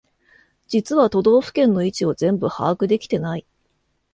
実は都道府県の位置を全部把握できてない